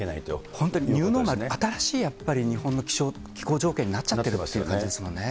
本当に新しい日本の気候条件になっちゃってるという感じですもんね。